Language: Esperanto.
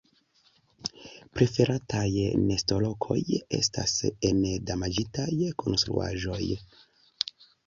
Preferataj nestolokoj estas en damaĝitaj konstruaĵoj.